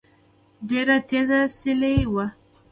ډېره تېزه سيلۍ وه